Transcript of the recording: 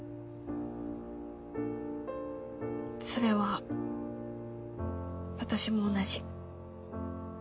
それは私も同じ。